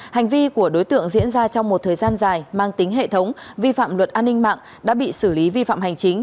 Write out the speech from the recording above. hành vi của đối tượng diễn ra trong một thời gian dài mang tính hệ thống vi phạm luật an ninh mạng đã bị xử lý vi phạm hành chính